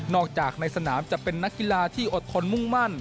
จากในสนามจะเป็นนักกีฬาที่อดทนมุ่งมั่น